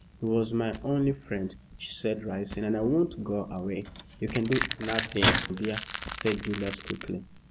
"He was my only friend," she said, rising, "and I won't go away." "You can do nothing, dear," said Julius, quickly.